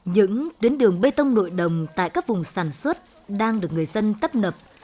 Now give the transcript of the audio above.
những tuyến đường bê tông nội đồng tại các vùng sản xuất đang được người dân tấp nập